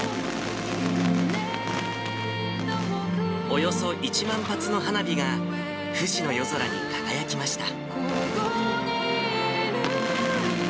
およそ１万発の花火が、富士の夜空に輝きました。